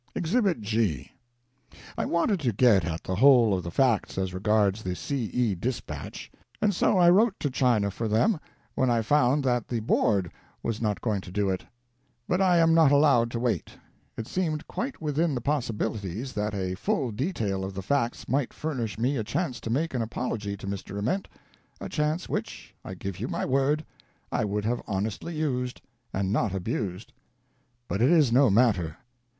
EXHIBIT G. I wanted to get at the whole of the facts as regards the C. E. dispatch, and so I wrote to China for them, when I found that the Board was not going to do it. But I am not allowed to wait. It seemed quite within the possibilities that a full detail of the facts might furnish me a chance to make an apology to Mr. Ament — a chance which, I give you my word, I would have hon estly used, and not abused. But it is na matter.